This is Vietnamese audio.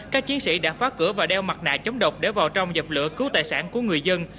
các chiến sĩ đã phá cửa và đeo mặt nạ chống độc để vào trong dập lửa cứu tài sản của người dân